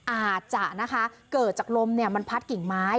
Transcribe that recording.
อาจจะนะคะเกิดจากลมมันพัดกิ่งไม้